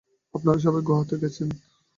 আপনারা সবাই গুহাতে গেছেন।